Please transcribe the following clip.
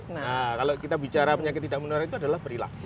nah kalau kita bicara penyakit tidak menular itu adalah perilaku